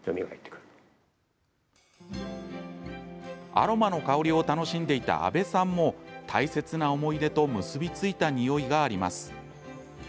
アロマの香りを楽しんでいた阿部さんも、大切な思い出と結び付いた匂いがあります。